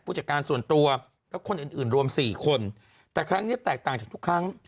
ผู้จัดการส่วนตัวและคนอื่นอื่นรวมสี่คนแต่ครั้งนี้แตกต่างจากทุกครั้ง